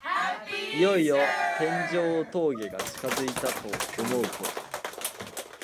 いよいよ天城峠が近づいたと思うころ